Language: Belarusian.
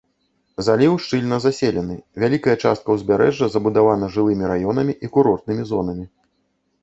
Заліў шчыльна заселены, вялікая частка ўзбярэжжа забудавана жылымі раёнамі і курортнымі зонамі.